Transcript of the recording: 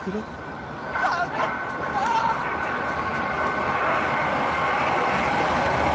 え行ったよ